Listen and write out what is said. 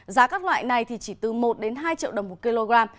giá các loại này thì chỉ từ một hai triệu đồng một kg